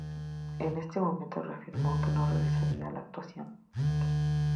En ese momento reafirmó que no regresaría a la actuación.